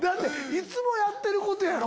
いつもやってることやろ？